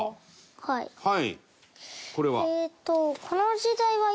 はいはい。